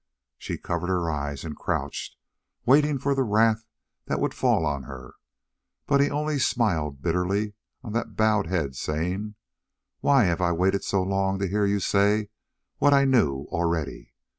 She covered her eyes and crouched, waiting for the wrath that would fall on her, but he only smiled bitterly on the bowed head, saying: "Why have I waited so long to hear you say what I knew already?